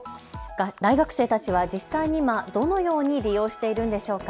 大学生たちは実際に今どのように利用しているんでしょうか。